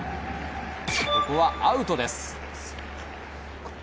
ここはアウトです。